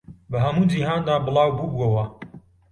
بە هەموو جیهاندا بڵاو بووبووەوە